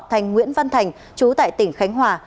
thành nguyễn văn thành chú tại tỉnh khánh hòa